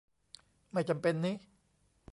ไม่จำเป็นนิ